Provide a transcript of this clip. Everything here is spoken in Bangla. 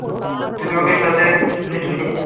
তুই ওকে সাথে নিসনি?